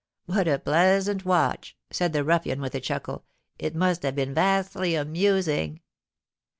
"What a pleasant watch!" said the ruffian, with a chuckle; "it must have been vastly amusing!"